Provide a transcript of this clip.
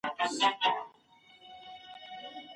څه وخت ملي سوداګر نخودي هیواد ته راوړي؟